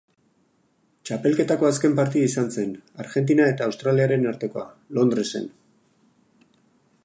Txapelketako azken partida izan zen, Argentina eta Australiaren artekoa, Londresen.